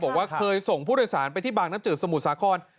บอกว่าเคยส่งผู้โดยศาลไปที่บางนับจึตสมุดสาขอร์น